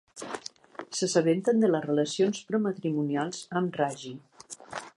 S'assabenten de les relacions prematrimonials amb Raji.